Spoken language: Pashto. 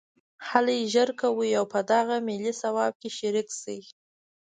هلئ ژر کوئ او په دغه ملي ثواب کې شریک شئ